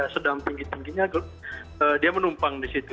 sedang tinggi tingginya dia menumpang di situ